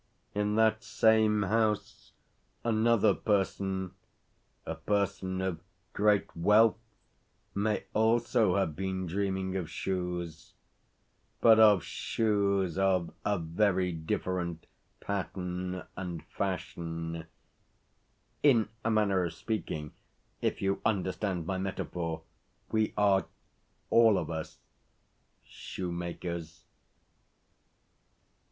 In that same house ANOTHER person a person of great wealth may also have been dreaming of shoes; but, of shoes of a very different pattern and fashion (in a manner of speaking, if you understand my metaphor, we are all of us shoemakers).